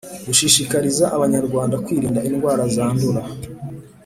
Gushishikariza abanyarwanda kwirinda indwara zandura